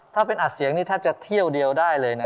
ถ้าเป็นอัดเสียงนี่แทบจะเที่ยวเดียวได้เลยนะ